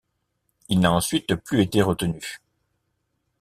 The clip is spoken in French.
Il n'a ensuite plus été retenu.